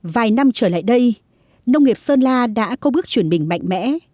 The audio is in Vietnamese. vài năm trở lại đây nông nghiệp sơn la đã có bước chuyển mình mạnh mẽ